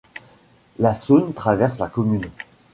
La Saône traverse la commune.